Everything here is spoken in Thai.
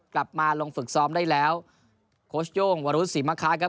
กลับมาลงฝึกซ้อมได้แล้วโค้ชโย่งวรุษศรีมะคะครับ